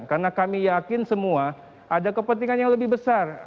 karena kami yakin semua ada kepentingan yang lebih besar